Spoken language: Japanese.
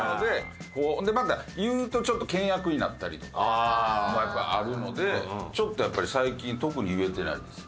また言うと険悪になったりとかあるのでちょっとやっぱり最近特に言えてないです。